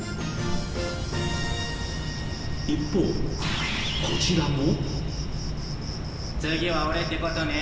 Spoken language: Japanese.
一方こちらも。